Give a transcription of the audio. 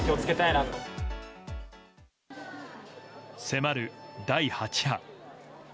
迫る、第８波。